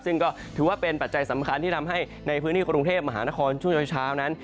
ซึ่งก็ถือว่าเป็นปัจจัยสำคัญที่ทำให้ในพื้นที่กรุงเทพมหานครช่วงเช้านั้น